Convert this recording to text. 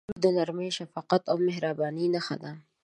• لور د نرمۍ، شفقت او مهربانۍ نښه ده.